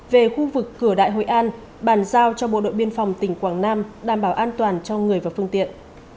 về khu vực cửa đại hội an bàn giao cho bộ đội biên phòng tỉnh quảng nam đảm bảo an toàn cho người và phương tiện